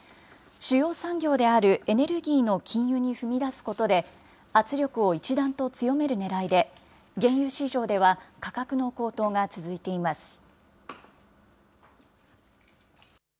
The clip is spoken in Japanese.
主要産業であるエネルギーの禁輸に踏み出すことで、圧力を一段と強めるねらいで、原油市場では価格の高騰が続いています。